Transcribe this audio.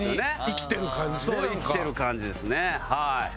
生きてる感じですねはい。